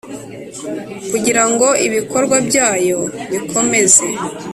kugira ngo ibikorwa byayo bikomeze